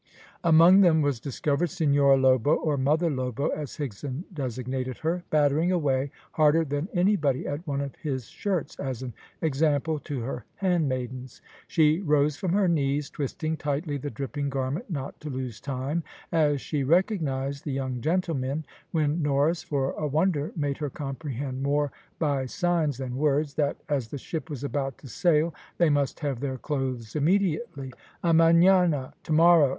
Among them was discovered Senhora Lobo or Mother Lobo, as Higson designated her, battering away harder than anybody at one of his shirts, as an example to her handmaidens. She rose from her knees, twisting tightly the dripping garment, not to lose time, as she recognised the young gentlemen, when Norris for a wonder made her comprehend more by signs than words, that as the ship was about to sail they must have their clothes immediately. "Amanaa? to morrow?"